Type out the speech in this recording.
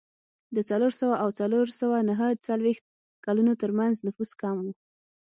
د څلور سوه او څلور سوه نهه څلوېښت کلونو ترمنځ نفوس کم و